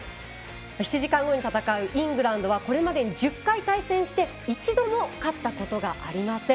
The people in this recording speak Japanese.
７時間後に戦うイングランドはこれまでに１０回対戦して一度も勝ったことがありません。